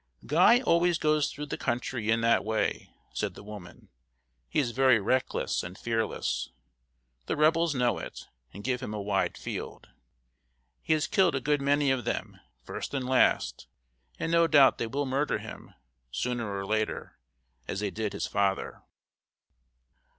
"Guy always goes through the country in that way," said the woman. "He is very reckless and fearless. The Rebels know it, and give him a wide field. He has killed a good many of them, first and last, and no doubt they will murder him, sooner or later, as they did his father."